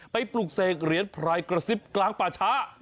ปลุกเสกเหรียญพรายกระซิบกลางป่าช้า